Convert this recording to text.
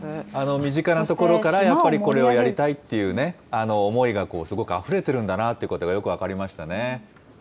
身近なところからこれをやりたいっていうね、思いがすごくあふれてるんだなということがよく分かりましたね。